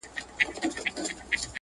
مثلا د مارکیز په اثر کې مې